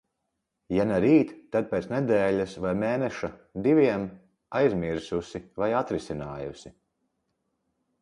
Ja ne rīt, tad pēc nedēļas vai mēneša, diviem. Aizmirsusi vai atrisinājusi.